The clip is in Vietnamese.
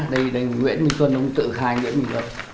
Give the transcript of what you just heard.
đây nguyễn minh tuân ông ấy tự khai nguyễn minh tuân